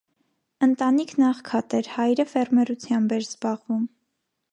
Ընտանիքն աղքատ էր, հայրը ֆերմերությամբ էր զբաղվում։